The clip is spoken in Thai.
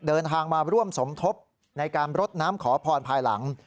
เดินทางมาร่วมสมทบในการรดน้ำขอพรภายหลัง